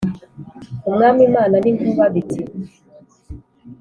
umwami, imana n'inkuba biti:"